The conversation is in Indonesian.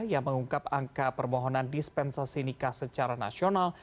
yang mengungkap angka permohonan dispensasi nikah secara nasional